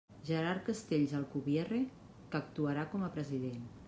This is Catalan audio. Gerard Castells Alcubierre, que actuarà com a president.